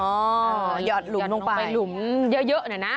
หยอดหลุมลงไปหลุมเยอะหน่อยนะ